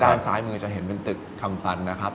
ด้านซ้ายมือจะเห็นเป็นตึกทำฟันนะครับ